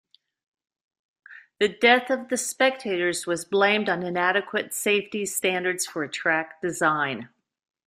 The death of the spectators was blamed on inadequate safety standards for track design.